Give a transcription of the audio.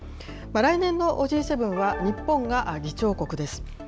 来年のＧ７は、日本が議長国です。